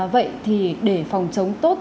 vậy thì để phòng chống tốt